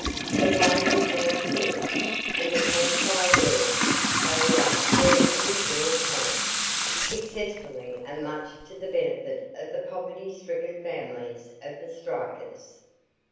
The way was now clear, and the Camp Fire Girls carried out their original plans, successfully and much to the benefit of the poverty stricken families of the strikers.